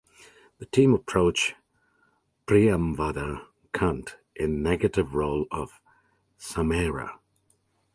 The team approached Priyamvada Kant in negative role of Samaira.